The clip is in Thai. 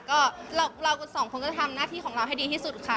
ก็เรากันสองคนก็จะทำหน้าที่ของเราให้ดีที่สุดค่ะ